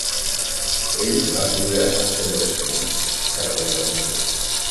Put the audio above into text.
Ell va viure a Cedar Springs, Carolina del Sud.